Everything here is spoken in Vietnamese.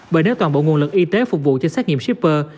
bởi nếu toàn bộ nguồn lực y tế phục vụ cho xét nghiệm shipper